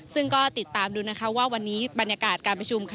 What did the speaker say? ซึ่งก็ติดตามดูนะคะว่าวันนี้บรรยากาศการประชุมค่ะ